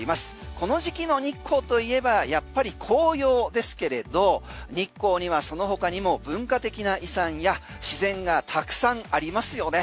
この時期の日光といえばやっぱり紅葉ですけれど日光にはその他にも文化的な遺産や自然がたくさんありますよね。